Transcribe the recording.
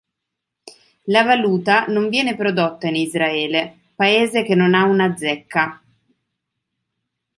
La valuta non viene prodotta in Israele, paese che non ha una zecca.